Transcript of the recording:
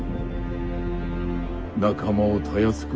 仲間をたやすく